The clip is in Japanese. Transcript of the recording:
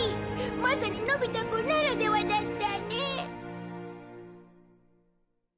まさにのび太くんならではだったね。